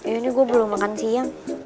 ini gue belum makan siang